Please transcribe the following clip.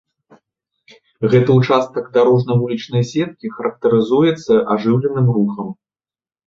Гэты ўчастак дарожна-вулічнай сеткі характарызуецца ажыўленым рухам.